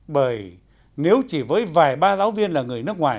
bởi nếu chỉ với vài ba giáo viên là người nước ngoài